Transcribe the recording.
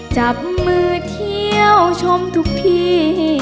จับมือเที่ยวชมทุกที่